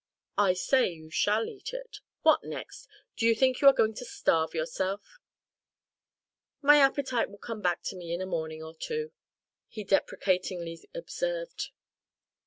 "I say you shall eat it. What next? Do you think you are going to starve yourself?" "My appetite will come back to me in a morning or two," he deprecatingly observed.